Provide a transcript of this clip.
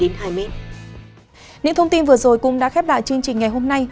những thông tin vừa rồi cũng đã khép lại chương trình ngày hôm nay